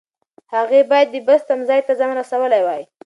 هغې باید د بس تمځای ته ځان رسولی وای.